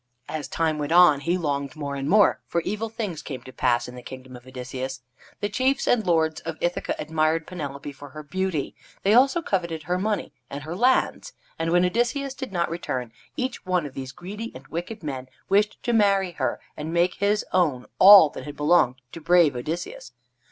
As time went on, he longed more and more, for evil things came to pass in the kingdom of Odysseus. The chiefs and lords of Ithaca admired Penelope for her beauty. They also coveted her money and her lands, and when Odysseus did not return, each one of these greedy and wicked men wished to marry her and make his own all that had belonged to brave Odysseus.